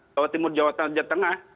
jawa timur jawa tengah jawa tengah